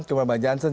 kemudian bang jansen